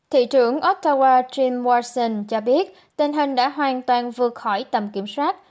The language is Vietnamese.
thị trưởng ottawa jim watson cho biết tình hình đã hoàn toàn vượt khỏi tầm kiểm soát